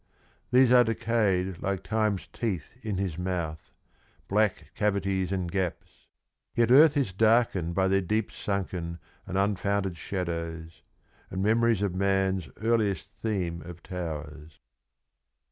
These are decayed like Time's teeth in his mouth, Black cavities and gaps, yet earth is darkened By their deep sunken and unfounded shadows And memories of man's earliest theme of towers.